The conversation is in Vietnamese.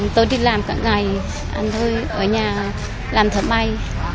tôi đi làm cả ngày anh tôi ở nhà làm thợ bay